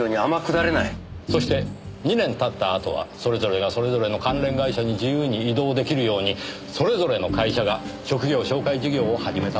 そして２年たったあとはそれぞれがそれぞれの関連会社に自由に異動出来るようにそれぞれの会社が職業紹介事業を始めたわけです。